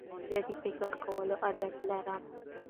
زه د فکر کولو عادت لرم.